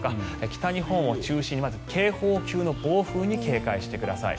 北日本を中心にまず警報級の暴風に警戒してください。